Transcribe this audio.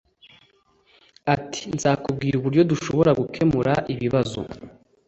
ati nzakubwira uburyo dushobora gukemura ikibazo